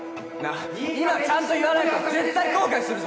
今ちゃんと言わないと絶対後悔するぞ